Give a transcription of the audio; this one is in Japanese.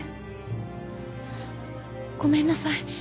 ごめんなさい。